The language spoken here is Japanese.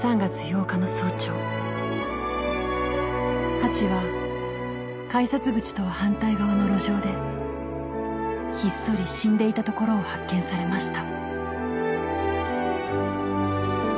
ハチは改札口とは反対側の路上でひっそり死んでいたところを発見されました。